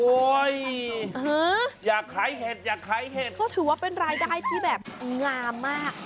อยากขายเห็ดอยากขายเห็ดก็ถือว่าเป็นรายได้ที่แบบงามมาก